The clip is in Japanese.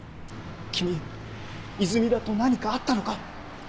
君泉田と何かあったのか？